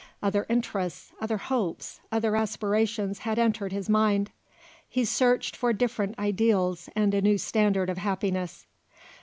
Other interests, other hopes, other aspirations had entered his mind. He searched for different ideals and a new standard of happiness.